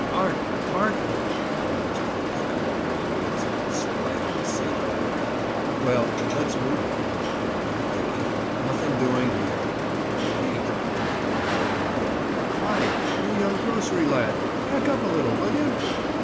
"Artful! Artful!" Clarence poked the commodore in the ribs. "Sly old sea dog!" "Well, let's move on," yawned Dickie. "Nothing doing here." "Wait!" The commodore had an idea. "Hi, you young grocery lad, back up a little, will you?"